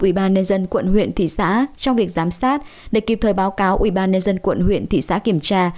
ubnd quận huyện thị xã trong việc giám sát để kịp thời báo cáo ubnd quận huyện thị xã kiểm tra